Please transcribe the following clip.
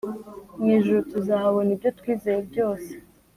Mw' ijuru tuzahabona ibyo twizeye byose.